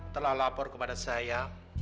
telah lapor kepada saya